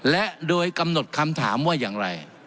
และโดยกำหนดคำถามว่าอย่างไร